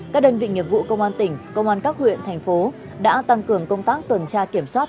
các đơn vị nghiệp vụ công an tỉnh công an các huyện thành phố đã tăng cường công tác tuần tra kiểm soát